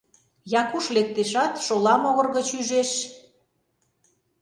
Якуш лектешат, шола могыр гыч ӱжеш.